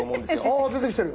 あ出てきてる。